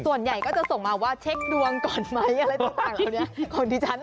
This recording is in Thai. ส่วนใหญ่ก็จะส่งมาว่าเช็คดวงก่อนไหมอะไรต่างเหล่านี้ของดิฉัน